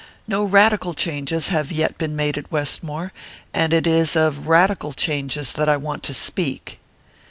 No radical changes have yet been made at Westmore; and it is of radical changes that I want to speak."